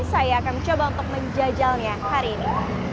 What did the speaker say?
saya akan mencoba untuk menjajalnya hari ini